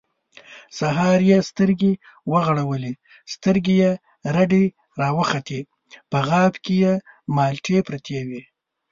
سهار يې سترګې ورغړولې، سترګې يې رډې راوختې، په غاب کې مالټې پرتې وې.